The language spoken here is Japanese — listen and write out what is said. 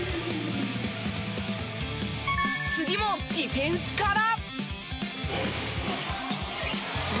次もディフェンスから。